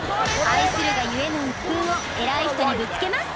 愛するがゆえのウップンを偉い人にぶつけます